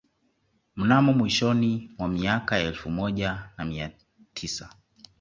Mnamo mwishoni mwa miaka ya elfu moja na mia tisa